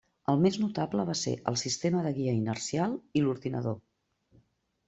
El més notable va ser el sistema de guia inercial i l'ordinador.